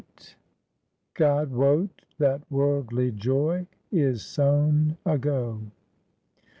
' GOD WOTE THAT WORLDLY JOY IS SONE AGO.'